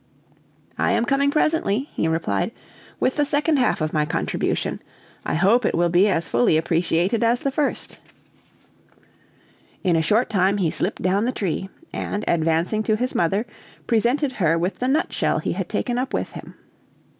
"I am coming presently," he replied, "with the second half of my contribution; I hope it will be as fully appreciated as the first." In a short time he slipped down the tree, and, advancing to his mother, presented her with the nutshell he had taken up with him.